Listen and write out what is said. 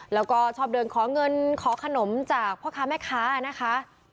แล้วก็ชอบเดินขอเงินขอขนมจากพ่อค้าแม่ค้านะคะ